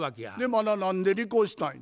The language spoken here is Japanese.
また何で離婚したいん？